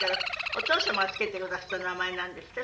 お父様が付けてくだすった名前なんですって？